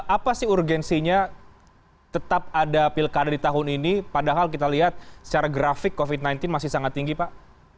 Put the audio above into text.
apa sih urgensinya tetap ada pilkada di tahun ini padahal kita lihat secara grafik covid sembilan belas masih sangat tinggi pak